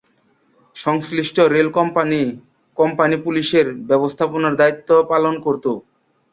সংশ্লিষ্ট railway company ’company পুলিশে’র ব্যবস্থাপনার দায়িত্ব পালন করত।